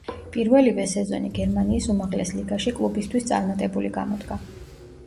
პირველივე სეზონი გერმანიის უმაღლეს ლიგაში კლუბისთვის წარმატებული გამოდგა.